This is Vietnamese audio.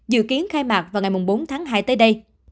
dự kiến khai mạc vào ngày bốn tháng hai tới đây